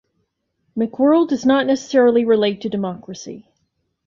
McWorld does not necessarily relate to democracy.